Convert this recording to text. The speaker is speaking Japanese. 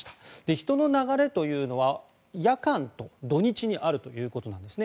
人の流れというのは夜間と土日にあるということなんですね。